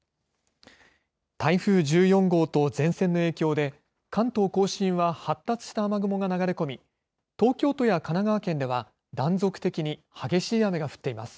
台風１４号と前線の影響で関東甲信は発達した雨雲が流れ込み東京都や神奈川県では断続的に激しい雨が降っています。